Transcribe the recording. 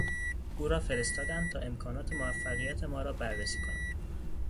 او را فرستادند تا امکانات موفقیت ما را بررسی کند.